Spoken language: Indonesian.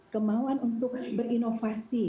kemohon untuk berinovasi